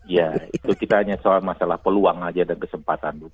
ya itu kita hanya soal masalah peluang saja dan kesempatan